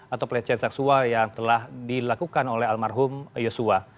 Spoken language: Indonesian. atau pelecehan seksual yang telah dilakukan oleh almarhum yosua